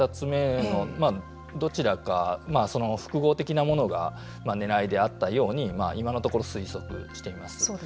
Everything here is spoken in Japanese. この１つ目と２つ目どちらか複合的なものがねらいであったように今のところ推測しています。